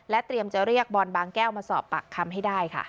เตรียมจะเรียกบอลบางแก้วมาสอบปากคำให้ได้ค่ะ